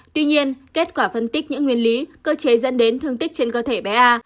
tuy nhiên kết quả phân tích những nguyên lý cơ chế dẫn đến thương tích trên cơ thể bé a